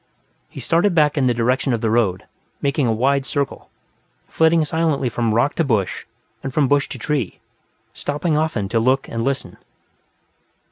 He started back in the direction of the road, making a wide circle, flitting silently from rock to bush and from bush to tree, stopping often to look and listen.